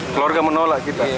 keluarga menolak kita